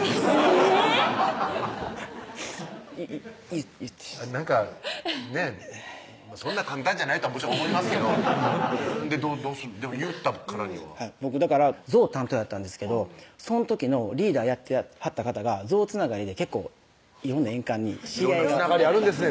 えぇっ⁉言ってなんかねぇそんな簡単じゃないとはもちろん思いますけどほんでどうすんの？でも言ったからには僕だから象担当やったんですけどその時のリーダーやってはった方が象つながりで結構色んな園間に色んなつながりあるんですね